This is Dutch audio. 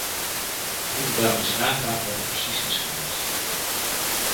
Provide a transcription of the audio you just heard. Wij moeten daarom eens nagaan wat er precies is gebeurd.